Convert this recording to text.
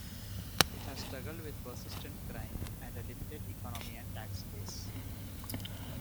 It has struggled with persistent crime, and a limited economy and tax base.